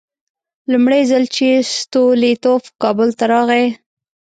لومړی ځل چې ستولیتوف کابل ته راغی.